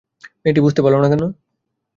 মেয়েটি বুঝতে পারল না কেন?